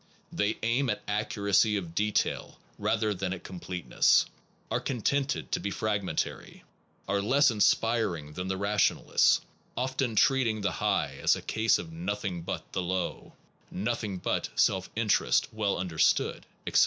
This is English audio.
They aim at accuracy of detail rather than at completeness; are contented to be fragmentary; are less inspiring than the ra tionalists, often treating the high as a case of nothing but the low ( nothing but self in terest well understood, etc.)